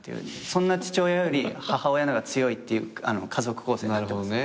そんな父親より母親の方が強いっていう家族構成になってます。